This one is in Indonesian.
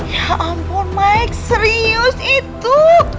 ya ampun mike serius itu